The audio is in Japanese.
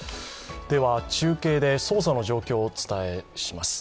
では中継で、捜査の状況をお伝えします。